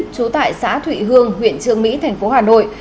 trú tại xã thụy hương huyện trường mỹ thành phố hà nội